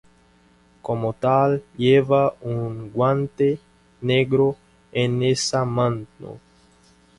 Como tal, lleva un guante negro en esa mano.